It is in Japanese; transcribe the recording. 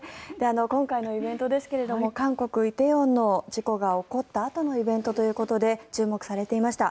今回のイベントですが韓国・梨泰院の事故が起こったあとのイベントということで注目されていました。